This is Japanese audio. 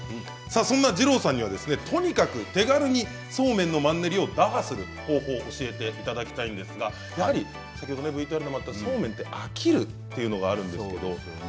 そんな二郎さんにはとにかく手軽にそうめんのマンネリを打破する方法を教えていただきたいんですが先ほどＶＴＲにもあったそうめんって飽きるというのがあるんです